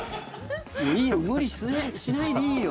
もういいよ無理しないでいいよ。